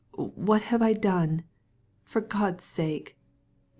what have I done? Dolly! For God's sake!...